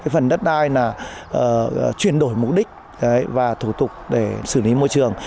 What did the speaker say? phần đất đai là chuyển đổi mục đích và thủ tục để xử lý môi trường